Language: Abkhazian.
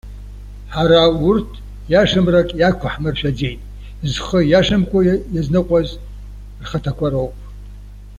Ҳара урҭ, иашамрак иақәаҳмыршәаӡеит, зхы иашамкәа иазныҟәаз рхаҭақәа роуп.